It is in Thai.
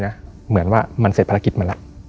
ของน้านแนนซี่นะเหมือนว่ามันเสร็จภารกิจมันล่ะ